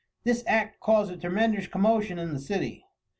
This act caused a tremendous commotion in the city.